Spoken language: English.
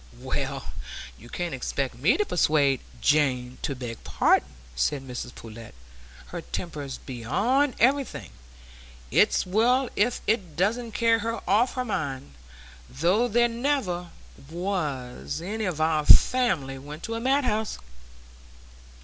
"Well, you can't expect me to persuade Jane to beg pardon," said Mrs Pullet. "Her temper's beyond everything; it's well if it doesn't carry her off her mind, though there never was any of our family went to a madhouse."